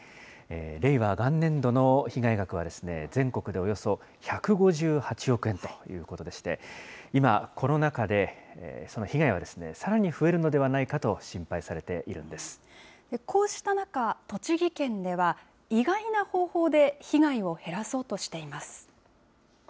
令和元年度の被害額は、全国でおよそ１５８億円ということでして、今、コロナ禍でその被害はさらに増えるのではないかと心配されてこうした中、栃木県では、意外な方法で被害を減らそうとしています。